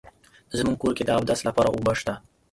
زمونږ کور کې د اودس لپاره اوبه شته